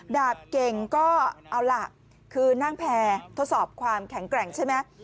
ดาบเก่งก็เอาล่ะคือนั่งแพร่ทดสอบความแข็งแกร่งใช่ไหม